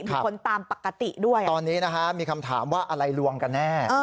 มีคนตามปกติด้วยตอนนี้นะฮะมีคำถามว่าอะไรลวงกันแน่